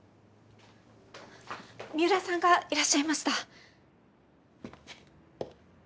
三浦さんがいらっしゃいました。